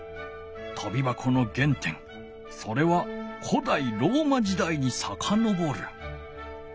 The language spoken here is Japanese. とびばこの原点それは古代ローマ時代にさかのぼる。